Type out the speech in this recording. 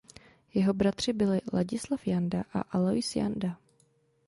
Jeho bratři byli Ladislav Janda a Alojz Janda.